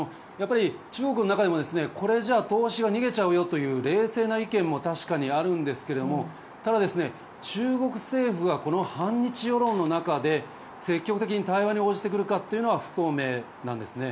中国の中でもこれじゃあ投資は逃げちゃうよという冷静な意見も確かにあるんですがただ、中国政府はこの反日世論の中で積極的に対話に応じてくるかというのは不透明なんですね。